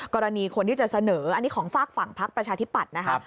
กรณีคนที่จะเสนออันนี้ของฝากฝั่งพักประชาธิปัตย์นะครับ